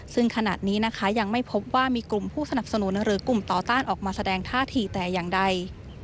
ซึ่งขณะนี้นะคะยังไม่พบว่ามีกลุ่มผู้สนับสนุนหรือกลุ่มต่อต้านออกมาแสดงท่าทีแต่อย่างใด